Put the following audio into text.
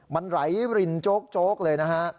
มันไหลรินโจ๊กเลยนะฮะ